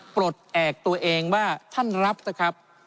ปลดแอบตัวเองว่าท่านรับนะครับ